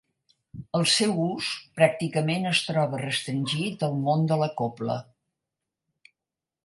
El seu ús pràcticament es troba restringit al món de la cobla.